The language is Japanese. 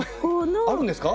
あるんですか？